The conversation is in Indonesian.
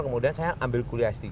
kemudian saya ambil kuliah s tiga